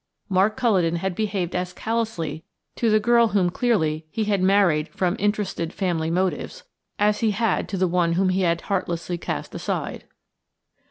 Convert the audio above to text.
Mark Culledon had behaved as callously to the girl whom clearly he had married from interested, family motives, as he had to the one whom he had heartlessly cast aside.